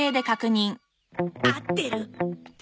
合ってる。